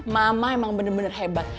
mama emang bener bener hebat